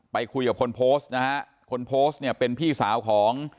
ไปคุยกับคนโพสต์นะฮะคนโพสต์เนี่ยเป็นพี่สาวของ